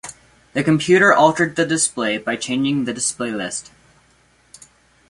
The computer altered the display by changing the display list.